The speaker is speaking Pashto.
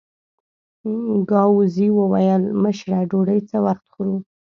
ګاووزي وویل: مشره ډوډۍ څه وخت خورو؟